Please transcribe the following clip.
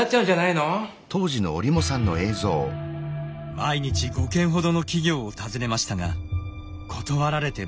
毎日５軒ほどの企業を訪ねましたが断られてばかり。